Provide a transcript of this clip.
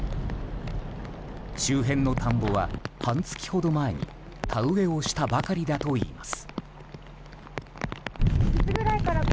周辺の田んぼは、半月ほど前に田植えをしたばかりだといいます。